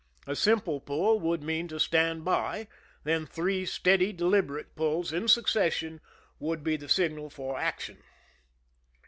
A simple pull would mean to " stand by "; then three steady, deliberate pulls in succession would be the signal for action.